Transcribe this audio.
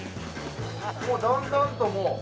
だんだんともう。